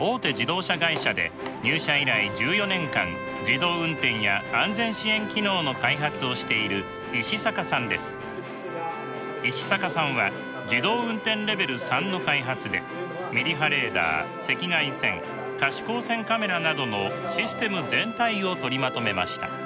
自動運転や安全支援機能の開発をしている石坂さんは自動運転レベル３の開発でミリ波レーダー赤外線可視光線カメラなどのシステム全体を取りまとめました。